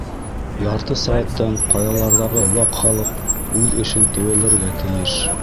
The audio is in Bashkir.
Ярты сәғәттән ҡаяларҙағы Ваҡ Халыҡ үҙ эшен теүәлләргә тейеш.